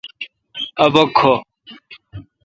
اؘ بک کھو۔